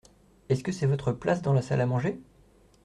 Est-ce que c’est votre place dans la salle à manger ?